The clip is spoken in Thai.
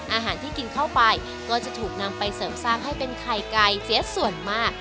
อาหารที่กินเข้าไปก็จะถูกนำไปเสริมสร้างให้เป็นไข่ไก่เสียส่วนมาก